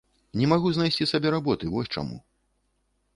Не магу знайсці сабе работы, вось чаму.